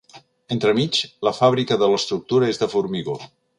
Entremig, la fàbrica de l'estructura és de formigó.